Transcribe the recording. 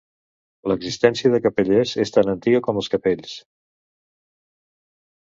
L’existència de capellers és tan antiga com els capells.